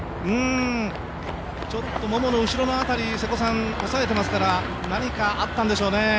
ちょっとももの後ろの辺り押さえてますから何かあったんでしょうね。